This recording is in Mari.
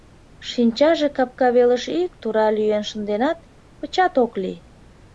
Шинчаже капка велыш ик тура лӱен шынденат, пычат ок лий.